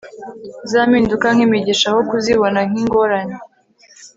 za mpinduka nkimigisha aho kuzibona nkingorane